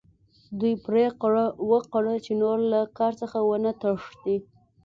دوی پریکړه وکړه چې نور له کار څخه ونه تښتي